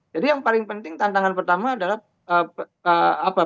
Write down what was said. jadi yang paling penting tantangan pertama adalah personal approach